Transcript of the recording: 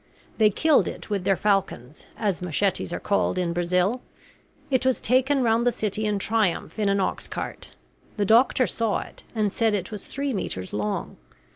They killed it with their falcons, as machetes are called in Brazil. It was taken round the city in triumph in an oxcart; the doctor saw it, and said it was three metres long.